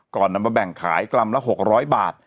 นำมาแบ่งขายกรัมละ๖๐๐บาท